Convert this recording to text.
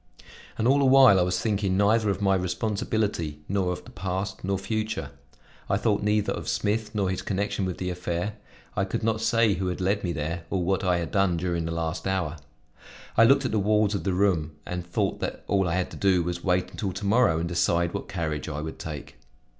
And all the while I was thinking neither of my responsibility, nor of the past, nor future; I thought neither of Smith nor his connection with the affair; I could not say who had led me there, or what I had done during the last hour. I looked at the walls of the room and thought that all I had to do was to wait until to morrow and decide what carriage I would take.